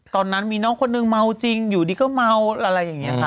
ตอนนั้นมีน้องคนนึงเมาจริงอยู่ดีก็เมาอะไรอย่างนี้ค่ะ